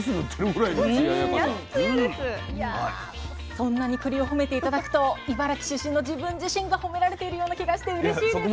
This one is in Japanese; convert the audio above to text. そんなにくりを褒めて頂くと茨城出身の自分自身が褒められているような気がしてうれしいです。